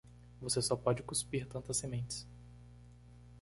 Você só pode cuspir tantas sementes.